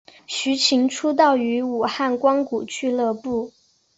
徐擎出道于武汉光谷俱乐部。